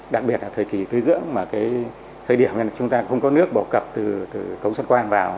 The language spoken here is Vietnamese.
đặc biệt là thời kỳ tui dưỡng mà cái thời điểm chúng ta không có nước bổ cập từ cống xuân quan vào